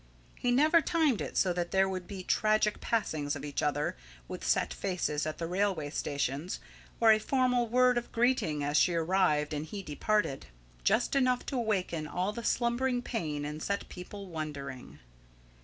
He never timed it so that there should be tragic passings of each other, with set faces, at the railway stations; or a formal word of greeting as she arrived and he departed, just enough to awaken all the slumbering pain and set people wondering.